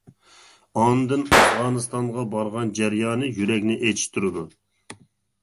ئاندىن ئافغانىستانغا بارغان جەريانى يۈرەكنى ئېچىشتۇرىدۇ.